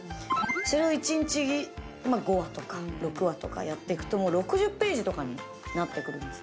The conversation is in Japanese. それを一日５話とか６話とかやって行くともう６０ページとかになって来るんですね。